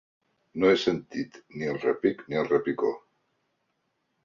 No he sentit ni el repic ni el repicó.